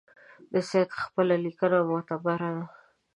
د سید خپله لیکنه معتبره ده.